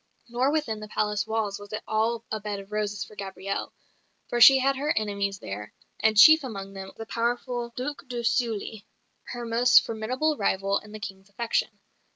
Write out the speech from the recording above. Nor within the palace walls was it all a bed of roses for Gabrielle; for she had her enemies there; and chief among them the powerful Duc de Sully, her most formidable rival in the King's affection.